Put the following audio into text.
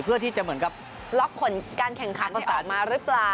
เพื่อที่จะเหมือนกับล็อกผลการแข่งขันประสานมาหรือเปล่า